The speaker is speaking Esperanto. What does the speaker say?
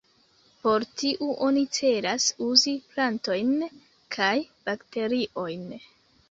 Por tiu oni celas uzi plantojn kaj bakteriojn.